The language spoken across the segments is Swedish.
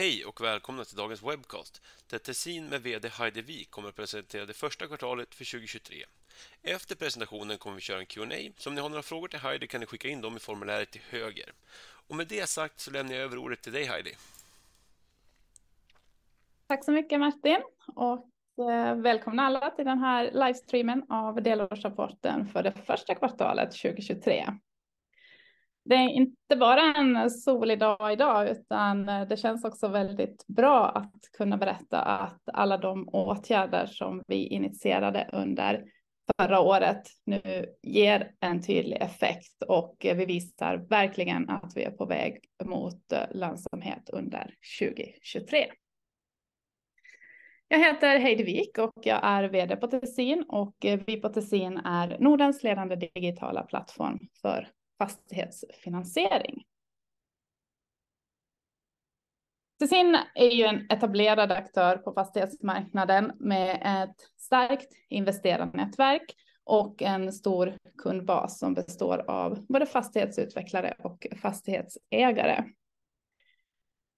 Hej och välkomna till dagens webcast. Där Tessin med VD Heidi Wik kommer att presentera det första kvartalet för 2023. Efter presentationen kommer vi köra en Q&A. Om ni har några frågor till Heidi kan ni skicka in dem i formuläret till höger. Med det sagt så lämnar jag över ordet till dig Heidi. Tack så mycket Martin och välkomna alla till den här livestreamen av delårsrapporten för det första kvartalet 2023. Det är inte bara en solig dag i dag, utan det känns också väldigt bra att kunna berätta att alla de åtgärder som vi initierade under förra året nu ger en tydlig effekt och bevisar verkligen att vi är på väg mot lönsamhet under 2023. Jag heter Heidi Wik och jag är VD på Tessin och vi på Tessin är Nordens ledande digitala plattform för fastighetsfinansiering. Tessin är ju en etablerad aktör på fastighetsmarknaden med ett starkt investerarnätverk och en stor kundbas som består av både fastighetsutvecklare och fastighetsägare.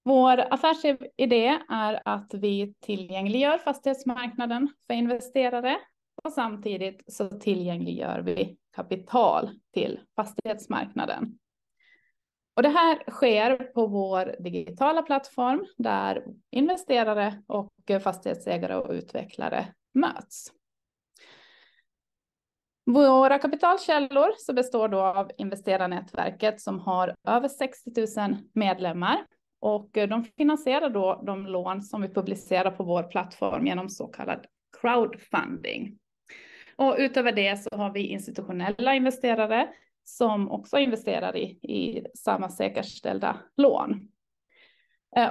Vår affärsidé är att vi tillgängliggör fastighetsmarknaden för investerare och samtidigt så tillgängliggör vi kapital till fastighetsmarknaden. Det här sker på vår digitala plattform där investerare och fastighetsägare och utvecklare möts. Våra kapitalkällor består då av investerarnätverket som har över 60,000 medlemmar och de finansierar då de lån som vi publicerar på vår plattform igenom så kallad crowdfunding. Utöver det så har vi institutionella investerare som också investerar i samma säkerställda lån.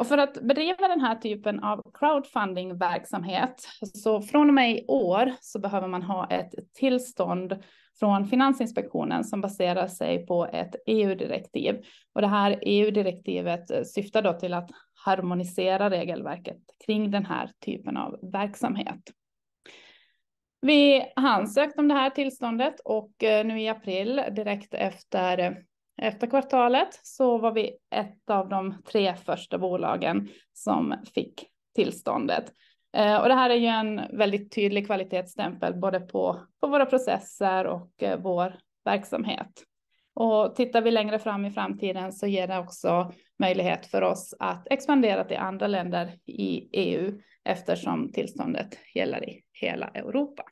För att bedriva den här typen av crowdfunding-verksamhet, så från och med i år så behöver man ha ett tillstånd från Finansinspektionen som baserar sig på ett EU-direktiv. Det här EU-direktivet syftar då till att harmonisera regelverket kring den här typen av verksamhet. Vi ansökte om det här tillståndet nu i april, direkt efter efterkvartalet, så var vi ett av de tre första bolagen som fick tillståndet. Det här är ju en väldigt tydlig kvalitetsstämpel, både på våra processer och vår verksamhet. Tittar vi längre fram i framtiden så ger det också möjlighet för oss att expandera till andra länder i EU eftersom tillståndet gäller i hela Europa.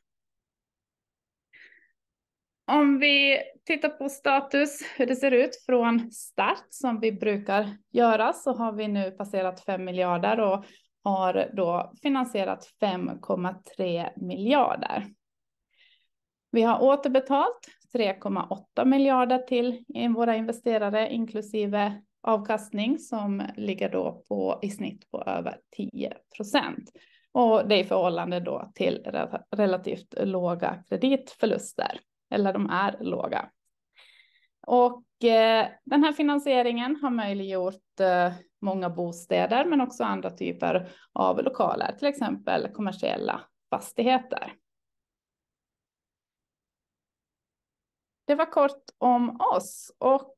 Tittar vi på status, hur det ser ut från start som vi brukar göra, har vi nu passerat SEK 5 billion och har då finansierat SEK 5.3 billion. Vi har återbetalt SEK 3.8 billion till våra investerare, inklusive avkastning som ligger då på i snitt på över 10%. Det är i förhållande då till relativt låga kreditförluster. De är låga. Den här finansieringen har möjliggjort många bostäder, men också andra typer av lokaler, till exempel kommersiella fastigheter. Det var kort om oss och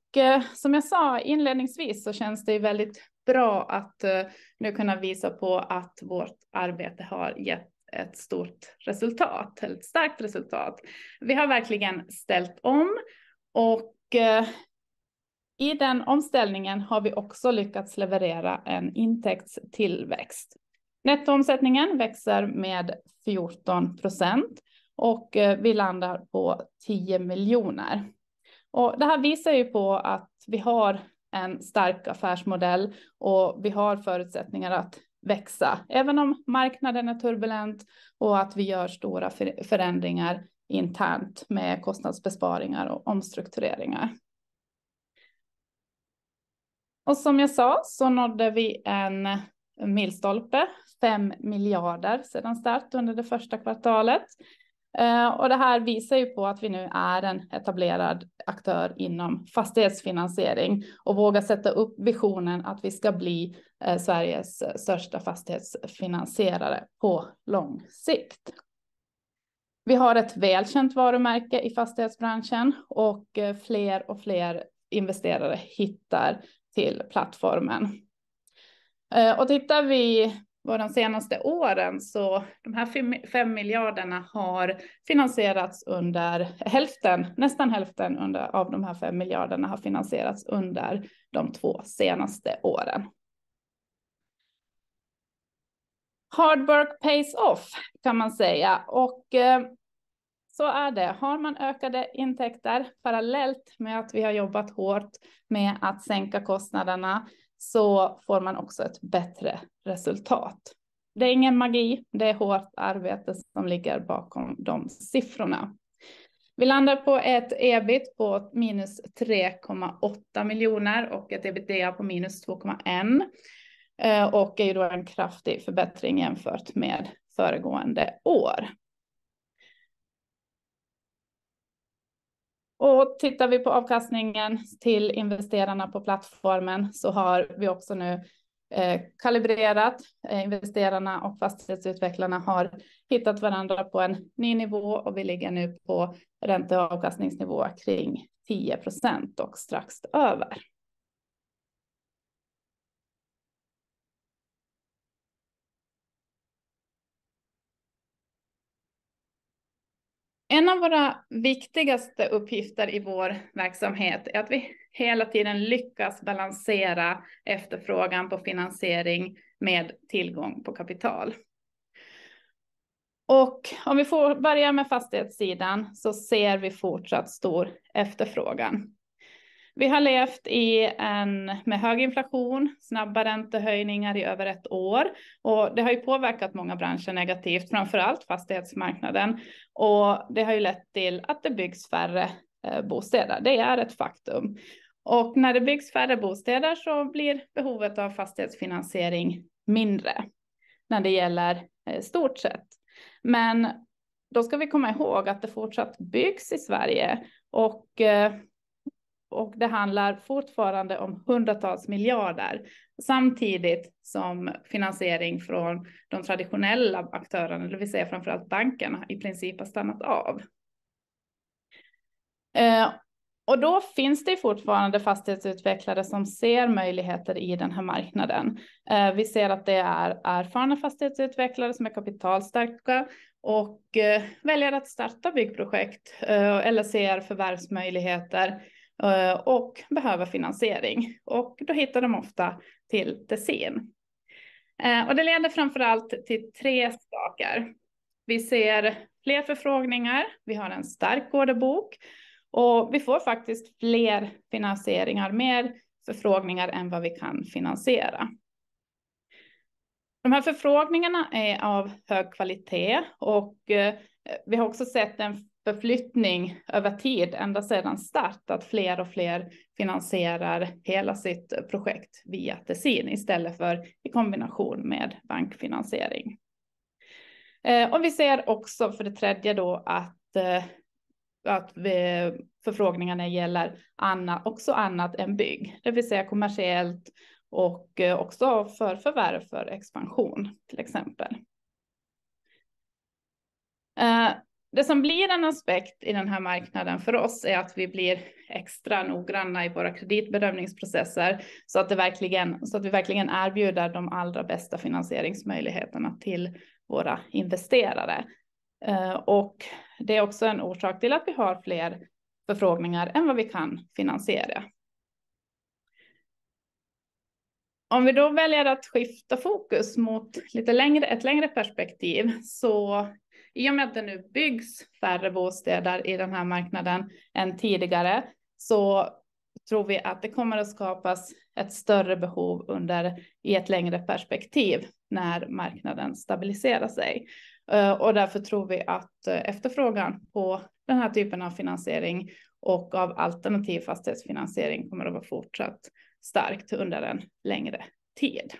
som jag sa inledningsvis så känns det ju väldigt bra att nu kunna visa på att vårt arbete har gett ett stort resultat, ett starkt resultat. Vi har verkligen ställt om och i den omställningen har vi också lyckats leverera en intäktstillväxt. Nettoomsättningen växer med 14% och vi landar på SEK 10 million. Det här visar ju på att vi har en stark affärsmodell och vi har förutsättningar att växa, även om marknaden är turbulent och att vi gör stora förändringar internt med kostnadsbesparingar och omstruktureringar. Som jag sa så nådde vi en milstolpe, SEK 5 billion sedan start under det första kvartalet. Det här visar ju på att vi nu är en etablerad aktör inom fastighetsfinansiering och vågar sätta upp visionen att vi ska bli Sveriges största fastighetsfinansierare på lång sikt. Vi har ett välkänt varumärke i fastighetsbranschen och fler och fler investerare hittar till plattformen. Tittar vi på de senaste åren, så de här SEK 5 miljarderna har finansierats under, hälften, nästan hälften av de här SEK 5 miljarderna har finansierats under de två senaste åren. Hard work pays off kan man säga. Så är det. Har man ökade intäkter parallellt med att vi har jobbat hårt med att sänka kostnaderna så får man också ett bättre resultat. Det är ingen magi, det är hårt arbete som ligger bakom de siffrorna. Vi landar på ett EBIT på minus SEK 3.8 miljoner och ett EBITDA på minus SEK 2.1. Är ju då en kraftig förbättring jämfört med föregående år. Tittar vi på avkastningen till investerarna på plattformen så har vi också nu kalibrerat investerarna och fastighetsutvecklarna har hittat varandra på en ny nivå och vi ligger nu på ränteavkastningsnivå kring 10% och strax över. En av våra viktigaste uppgifter i vår verksamhet är att vi hela tiden lyckas balansera efterfrågan på finansiering med tillgång på kapital. Om vi får börja med fastighetssidan så ser vi fortsatt stor efterfrågan. Vi har levt i en med hög inflation, snabba räntehöjningar i över 1 year och det har ju påverkat många branscher negativt, framför allt fastighetsmarknaden. Det har ju lett till att det byggs färre bostäder. Det är ett faktum. När det byggs färre bostäder så blir behovet av fastighetsfinansiering mindre när det gäller i stort sett. Då ska vi komma ihåg att det fortsatt byggs i Sverige och det handlar fortfarande om hundratals miljarder SEK samtidigt som finansiering från de traditionella aktörerna, det vill säga framför allt bankerna, i princip har stannat av. Då finns det fortfarande fastighetsutvecklare som ser möjligheter i den här marknaden. Vi ser att det är erfarna fastighetsutvecklare som är kapitalstarka och väljer att starta byggprojekt eller ser förvärvsmöjligheter och behöver finansiering. Då hittar de ofta till Tessin. Det leder framför allt till 3 saker. Vi ser fler förfrågningar, vi har en stark orderbok och vi får faktiskt fler finansieringar, mer förfrågningar än vad vi kan finansiera. De här förfrågningarna är av hög kvalitet och vi har också sett en förflyttning över tid ända sedan start att fler och fler finansierar hela sitt projekt via Tessin istället för i kombination med bankfinansiering. Vi ser också för det tredje då att förfrågningarna gäller annat, också annat än bygg, det vill säga kommersiellt och också för förvärv för expansion, till exempel. Det som blir en aspekt i den här marknaden för oss är att vi blir extra noggranna i våra kreditbedömningsprocesser så att vi verkligen erbjuder de allra bästa finansieringsmöjligheterna till våra investerare. Det är också en orsak till att vi har fler förfrågningar än vad vi kan finansiera. Om vi då väljer att skifta fokus mot lite längre, ett längre perspektiv, i och med att det nu byggs färre bostäder i den här marknaden än tidigare, tror vi att det kommer att skapas ett större behov under i ett längre perspektiv när marknaden stabiliserar sig. Därför tror vi att efterfrågan på den här typen av finansiering och av alternativ fastighetsfinansiering kommer att vara fortsatt starkt under en längre tid.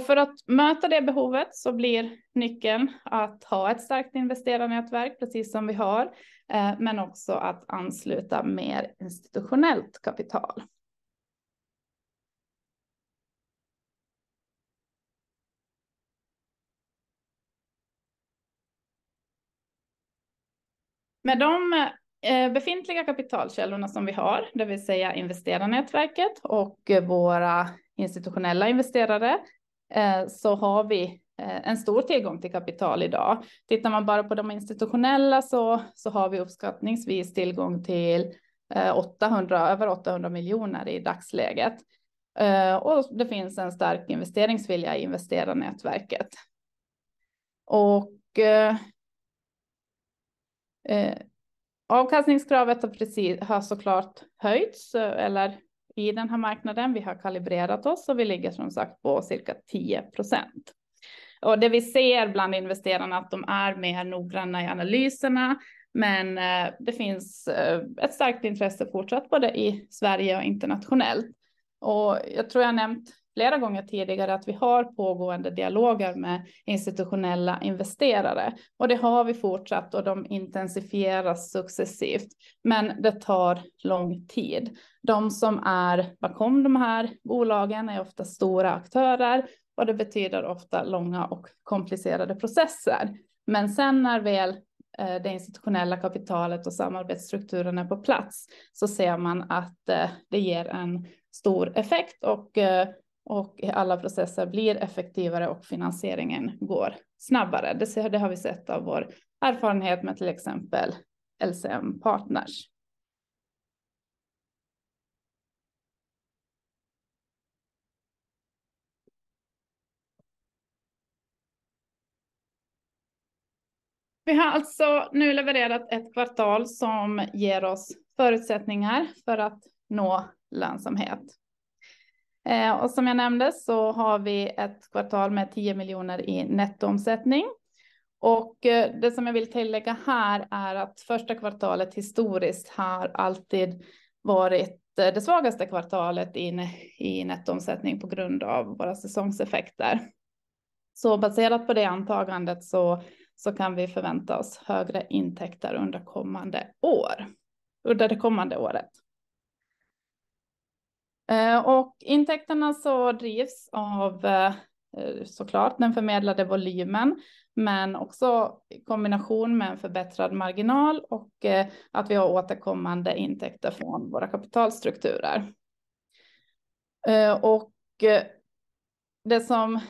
För att möta det behovet så blir nyckeln att ha ett starkt investerarnätverk, precis som vi har, men också att ansluta mer institutionellt kapital. Med de befintliga kapitalkällorna som vi har, det vill säga investerarnätverket och våra institutionella investerare, så har vi en stor tillgång till kapital i dag. Tittar man bara på de institutionella så har vi uppskattningsvis tillgång till SEK 800 million, över SEK 800 million i dagsläget. Det finns en stark investeringsvilja i investerarnätverket. Avkastningskravet har så klart höjts, eller i den här marknaden. Vi har kalibrerat oss och vi ligger som sagt på cirka 10%. Det vi ser bland investerarna att de är mer noggranna i analyserna, men det finns ett starkt intresse fortsatt både i Sverige och internationellt. Jag tror jag har nämnt flera gånger tidigare att vi har pågående dialoger med institutionella investerare och det har vi fortsatt och de intensifieras successivt. Det tar lång tid. De som är bakom de här bolagen är ofta stora aktörer och det betyder ofta långa och komplicerade processer. Sen när väl det institutionella kapitalet och samarbetsstrukturen är på plats så ser man att det ger en stor effekt och alla processer blir effektivare och finansieringen går snabbare. Det har vi sett av vår erfarenhet med till exempel LCM Partners. Vi har alltså nu levererat ett kvartal som ger oss förutsättningar för att nå lönsamhet. Som jag nämnde så har vi ett kvartal med SEK 10 million i nettoomsättning. Det som jag vill tillägga här är att första kvartalet historiskt har alltid varit det svagaste kvartalet i nettoomsättning på grund av våra säsongseffekter. Baserat på det antagandet så kan vi förvänta oss högre intäkter under det kommande året. Intäkterna så drivs av såklart den förmedlade volymen, men också i kombination med en förbättrad marginal och att vi har återkommande intäkter från våra kapitalstrukturer. Det som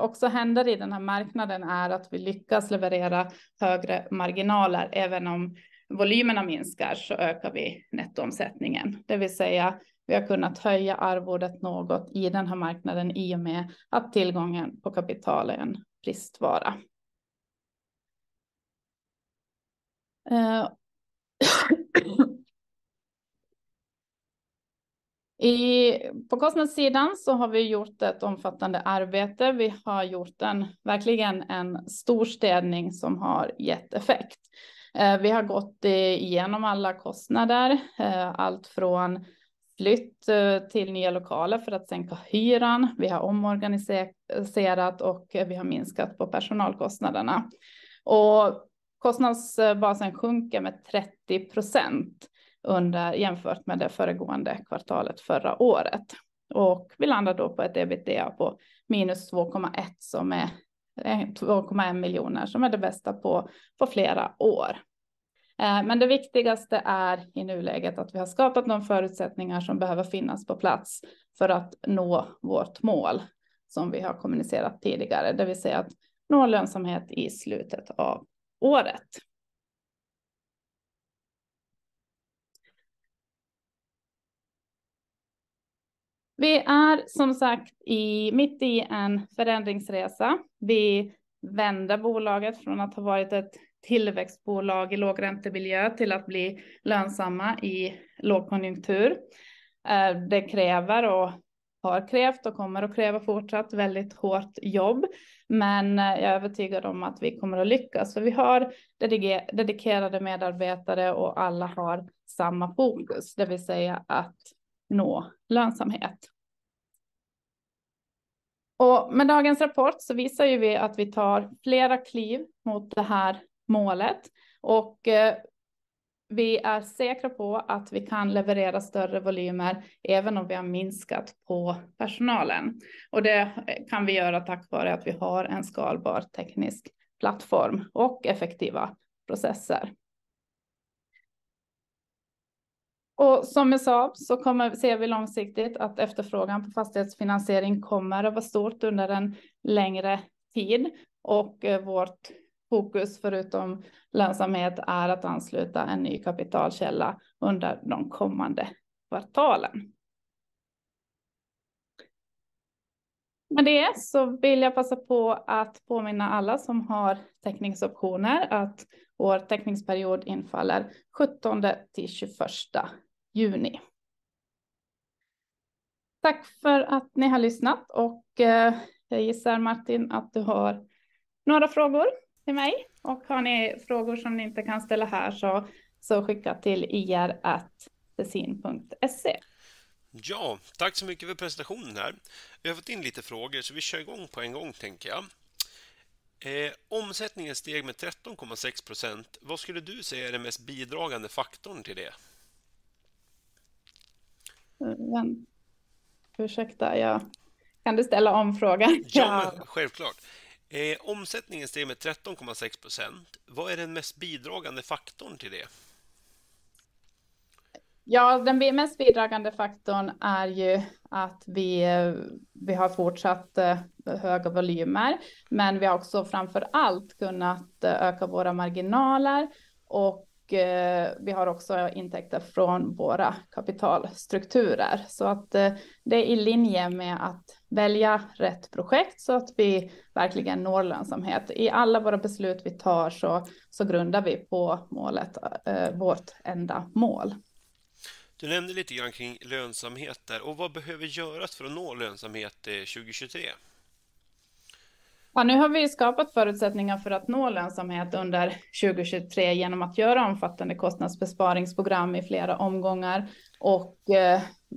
också händer i den här marknaden är att vi lyckas leverera högre marginaler. Även om volymerna minskar så ökar vi nettoomsättningen. Det vill säga, vi har kunnat höja arvodet något i den här marknaden i och med att tillgången på kapital är en bristvara. På kostnadssidan så har vi gjort ett omfattande arbete. Vi har gjort en verkligen en storstädning som har gett effekt. Vi har gått igenom alla kostnader, allt från flytt till nya lokaler för att sänka hyran. Vi har omorganiserat och vi har minskat på personalkostnaderna. Kostnadsbasen sjunker med 30% under, jämfört med det föregående kvartalet förra året. Vi landar då på ett EBITDA på -2.1, som är SEK 2.1 million, som är det bästa på flera år. Men det viktigaste är i nuläget att vi har skapat de förutsättningar som behöver finnas på plats för att nå vårt mål som vi har kommunicerat tidigare. Det vill säga att nå lönsamhet i slutet av året. Vi är som sagt mitt i en förändringsresa. Vi vänder bolaget från att ha varit ett tillväxtbolag i lågräntemiljö till att bli lönsamma i lågkonjunktur. Det kräver och har krävt och kommer att kräva fortsatt väldigt hårt jobb. Jag är övertygad om att vi kommer att lyckas. Vi har dedikerade medarbetare och alla har samma fokus, det vill säga att nå lönsamhet. Med dagens rapport så visar ju vi att vi tar flera kliv mot det här målet och vi är säkra på att vi kan leverera större volymer även om vi har minskat på personalen. Det kan vi göra tack vare att vi har en skalbar teknisk plattform och effektiva processer. Som jag sa så kommer, ser vi långsiktigt att efterfrågan på fastighetsfinansiering kommer att vara stort under en längre tid. Vårt fokus förutom lönsamhet är att ansluta en ny kapitalkälla under de kommande kvartalen. Jag vill passa på att påminna alla som har teckningsoptioner att vår teckningsperiod infaller 17th till 21st June. Tack för att ni har lyssnat och jag gissar Martin, att du har några frågor till mig. Har ni frågor som ni inte kan ställa här så skicka till ir@tessin.com. Ja, tack så mycket för presentationen här. Vi har fått in lite frågor så vi kör i gång på en gång tänker jag. Omsättningen steg med 13.6%. Vad skulle du säga är den mest bidragande faktorn till det? Ursäkta. Kan du ställa om frågan? Ja, självklart. Omsättningen steg med 13.6%. Vad är den mest bidragande faktorn till det? Ja, den mest bidragande faktorn är ju att vi har fortsatt höga volymer, men vi har också framför allt kunnat öka våra marginaler och vi har också intäkter från våra kapitalstrukturer. Det är i linje med att välja rätt projekt så att vi verkligen når lönsamhet. I alla våra beslut vi tar så grundar vi på målet, vårt enda mål. Du nämnde lite grann kring lönsamhet där och vad behöver göras för att nå lönsamhet 2023? Nu har vi skapat förutsättningar för att nå lönsamhet under 2023 igenom att göra omfattande kostnadsbesparingsprogram i flera omgångar och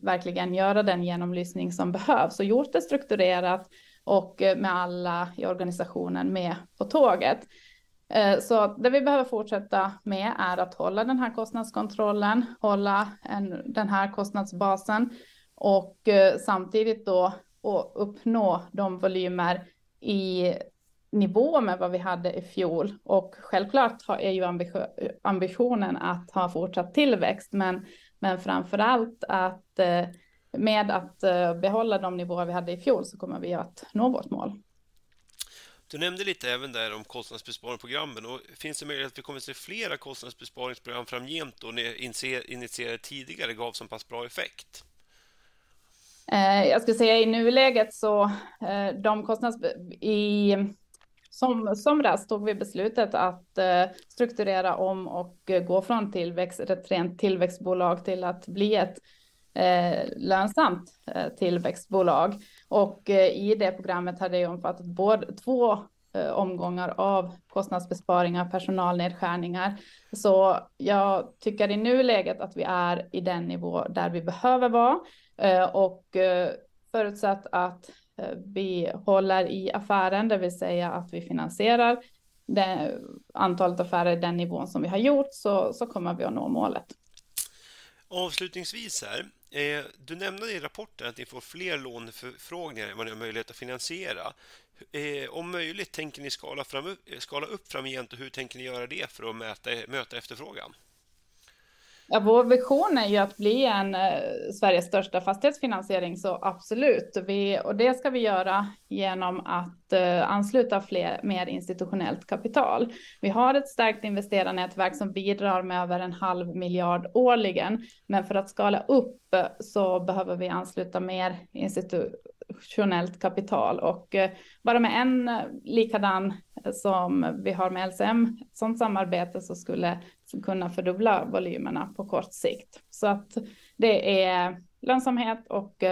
verkligen göra den genomlysning som behövs. Gjort det strukturerat och med alla i organisationen med på tåget. Det vi behöver fortsätta med är att hålla den här kostnadskontrollen, hålla den här kostnadsbasen och samtidigt då och uppnå de volymer i nivå med vad vi hade i fjol. Självklart är ju ambitionen att ha fortsatt tillväxt, men framför allt att med att behålla de nivåer vi hade i fjol så kommer vi att nå vårt mål. Du nämnde lite även där om kostnadsbesparingsprogrammen. Finns det möjlighet att vi kommer att se flera kostnadsbesparingsprogram framgent då ni initierade tidigare gav så pass bra effekt? Jag skulle säga i nuläget så, de somras tog vi beslutet att strukturera om och gå från tillväxt, ett rent tillväxtbolag till att bli ett lönsamt tillväxtbolag. I det programmet hade det omfattat både 2 omgångar av kostnadsbesparingar, personalnedskärningar. Jag tycker i nuläget att vi är i den nivå där vi behöver vara. Förutsatt att vi håller i affären, det vill säga att vi finansierar det, antalet affärer i den nivån som vi har gjort, så kommer vi att nå målet. Avslutningsvis här, du nämnde i rapporten att ni får fler låneförfrågningar än vad ni har möjlighet att finansiera. Om möjligt, tänker ni skala upp framgent och hur tänker ni göra det för att möta efterfrågan? Vår vision är ju att bli Sveriges största fastighetsfinansiering, absolut. Det ska vi göra genom att ansluta mer institutionellt kapital. Vi har ett starkt investerarnätverk som bidrar med över SEK half a billion årligen. För att skala upp behöver vi ansluta mer institutionellt kapital och bara med en likadan som vi har med LCM, sådant samarbete skulle kunna fördubbla volymerna på kort sikt. Det är lönsamhet och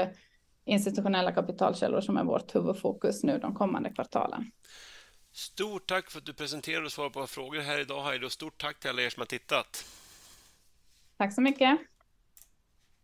institutionella kapitalkällor som är vårt huvudfokus nu de kommande kvartalen. Stort tack för att du presenterade och svarade på våra frågor här i dag, Heidi, och stort tack till alla er som har tittat. Tack så mycket.